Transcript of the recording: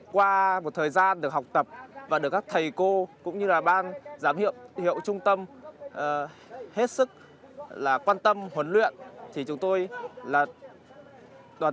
qua một thời gian được học tập và được các thầy cô cũng như là ban giám hiệu trung tâm hết sức quan tâm huấn luyện